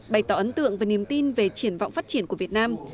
bày tỏ ấn tượng và niềm tin về triển vọng phát triển của việt nam